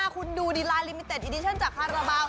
คุณดูดีลายลิมิเต็ดอิดิชั่นจากคาราบาล